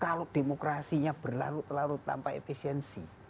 kalau demokrasinya berlalu lalu tanpa efisiensi